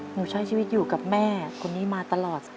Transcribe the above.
หนูใช้ชีวิตอยู่กับแม่คนนี้มาตลอด